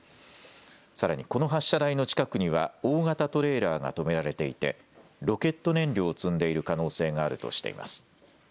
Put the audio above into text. さらにこの発射台の近くには大型トレーラーが止められていてロケット燃料を積んでいる可能性があるとしています。